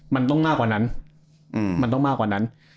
มันต้องมากกว่านั้น